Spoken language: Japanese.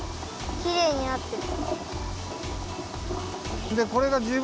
きれいになってる。